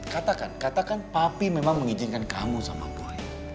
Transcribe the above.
katakan katakan papi memang mengijinkan kamu sama boy